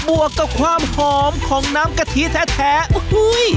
บวกกับความหอมของน้ำกะทิแท้อุ้ย